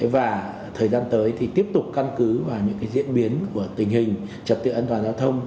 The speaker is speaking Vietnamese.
và thời gian tới thì tiếp tục căn cứ vào những diễn biến của tình hình trật tự an toàn giao thông